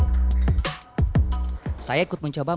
perkakas masak serba mungil dilalui